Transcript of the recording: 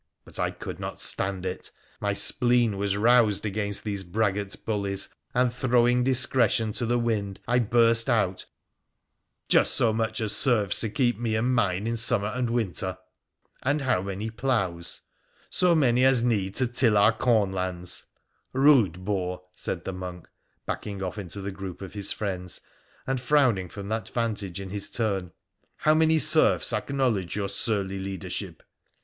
' But I could not stand it. My spleen was roused against these braggart bullies, and, throwing discretion to the wind, I burst out, ' Just so much as serves to keep me and mine in summer and winter !'' And how many ploughs ?'' So many as need to till our cornlands.' ' Rude boar !' said the monk, backing off into the group of his friends, and frowning from that vantage in his turn. ' How many serfs acknowledge your surly leadership